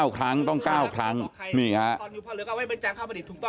๙ครั้งต้อง๙ครั้งมีอย่างงี้นะ